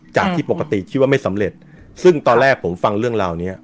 จากที่ปกติคิดว่าไม่สำเร็จซึ่งตอนแรกผมฟังเรื่องราวเนี้ย